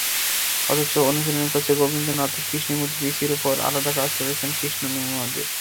অথচ অনুশীলনে কোচ গোবিনাথান কৃষ্ণমূর্তি পিসির ওপরে আলাদা কাজ করিয়েছেন কৃষ্ণ-মিমোদের।